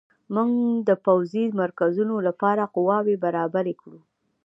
موږ د پوځي مرکزونو لپاره قواوې برابرې کړو.